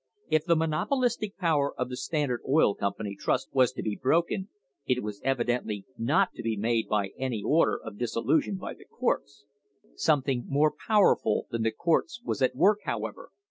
If the monopolistic power of the Standard Oil Trust was to be broken, it was evidently not to be by any order of dissolution by the courts. Something more powerful than the courts was at work, however.